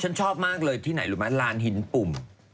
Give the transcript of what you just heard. ฉันชอบมากเลยที่ไหนรู้ไหมลานหินปุ่ม